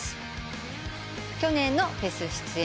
去年のフェス出演